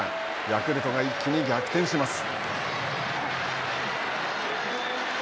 ヤクルトが一気に逆転します。